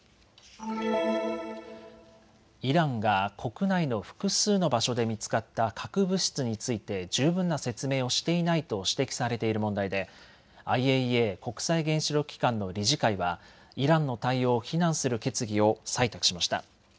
イランが国内の複数の場所で見つかった核物質について十分な説明をしていないと指摘されている問題でＩＡＥＡ・国際原子力機関の理事会はイランの対応を非難する決議を採択しました。